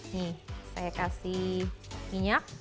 nih saya kasih minyak